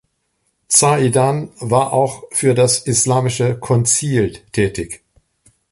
Zaidan war auch für das „Islamische Konzil“ tätig.